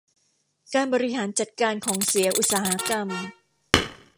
การบริหารจัดการของเสียอุตสาหกรรม